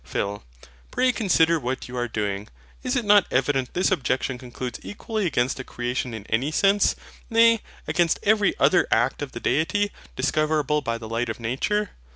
PHIL. Pray consider what you are doing. Is it not evident this objection concludes equally against a creation in any sense; nay, against every other act of the Deity, discoverable by the light of nature?